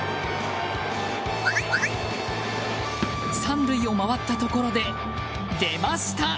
３塁を回ったところで出ました！